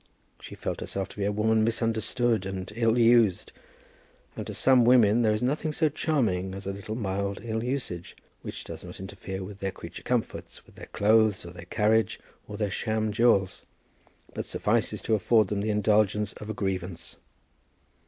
She felt herself to be a woman misunderstood and ill used; and to some women there is nothing so charming as a little mild ill usage, which does not interfere with their creature comforts, with their clothes, or their carriage, or their sham jewels; but suffices to afford them the indulgence of a grievance.